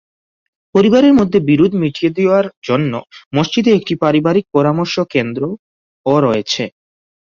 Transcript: পরিবারের মধ্যে বিরোধ মিটিয়ে দেওয়ার জন্য মসজিদে একটি "পারিবারিক পরামর্শ কেন্দ্র"ও রয়েছে।